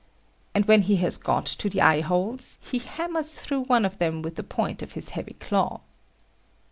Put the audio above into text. And when he has got to the eye holes, he hammers through one of them with the point of his heavy claw.